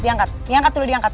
diangkat dulu diangkat